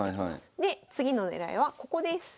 で次の狙いはここです。